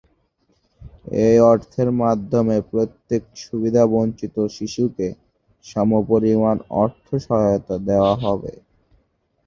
এই অর্থের মাধ্যমে প্রত্যেক সুবিধাবঞ্চিত শিশুকে সমপরিমাণ অর্থসহায়তা দেওয়া হবে।